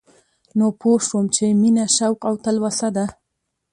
نو پوه شوم چې مينه شوق او تلوسه ده